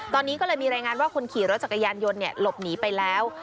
ตอนนี้ก็เลยมีรายงานว่าคนขี่รถจักรยานยนต์หลบหนีไปแล้ว